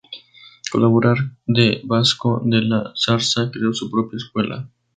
Colaborador de Vasco de la Zarza, creó su propia escuela.